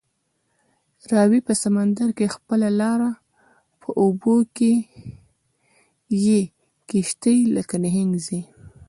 راوهي په سمندر کې خپله لاره، په اوبو کې یې کشتۍ لکه نهنګ ځي